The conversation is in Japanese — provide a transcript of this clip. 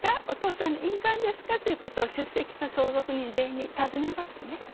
お父さんの印鑑ですか？」ということを出席した相続人全員に尋ねますね。